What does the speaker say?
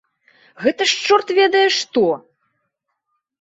Гэта ж чорт ведае што!